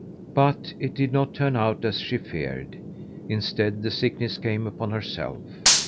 But it did not turn out as she feared. Instead, the sickness came upon herself.